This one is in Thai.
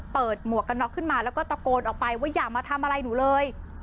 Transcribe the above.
หมวกกันน็อกขึ้นมาแล้วก็ตะโกนออกไปว่าอย่ามาทำอะไรหนูเลย